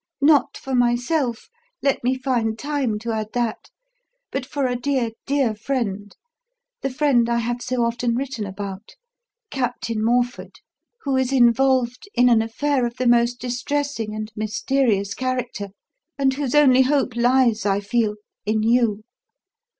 Not for myself let me find time to add that but for a dear, dear friend the friend I have so often written about: Captain Morford who is involved in an affair of the most distressing and mysterious character and whose only hope lies, I feel, in you.